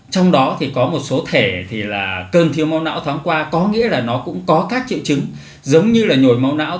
trong đó thì có một số thể thì là cơn thiếu máu não tháng qua có nghĩa là nó cũng có các triệu chứng giống như là nhồi máu não